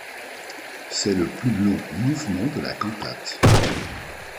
C'est le plus long mouvement de la cantate.